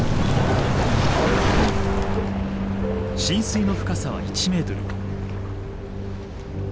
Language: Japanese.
浸水の深さは１ｍ。